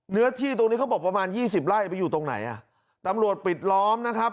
เนื้อที่ตรงนี่ก็บอกประมาณ๒๐ไล่ไปอยู่ตรงไหนตำรวจปิดล้อมนะครับ